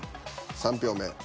３票目。